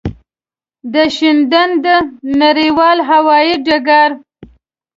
د شینډنډ نړېوال هوایی ډګر.